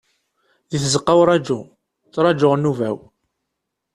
Deg tzeqqa n uraju, ttrajuɣ nnuba-w.